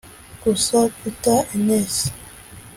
Gusa Peter Enns